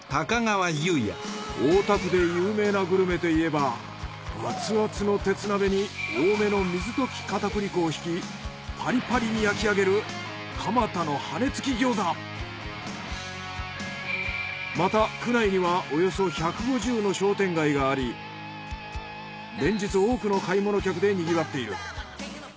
大田区で有名なグルメといえば熱々の鉄鍋に多めの水溶きかたくり粉を引きパリパリに焼きあげる蒲田のまた区内にはおよそ１５０の商店街があり連日多くの買い物客でにぎわっている。